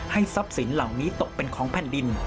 ทรัพย์สินเหล่านี้ตกเป็นของแผ่นดิน